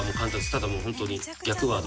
ただもうホントに逆ワード。